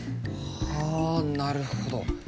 はなるほど。